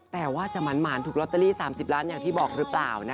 แต่ว่าจะหมานถูกลอตเตอรี่๓๐ล้านอย่างที่บอกหรือเปล่า